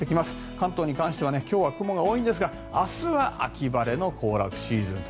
関東に関しては今日は雲が多いんですが明日は秋晴れの行楽シーズンと。